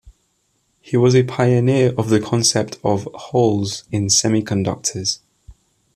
He was a pioneer of the concept of "holes" in semiconductors.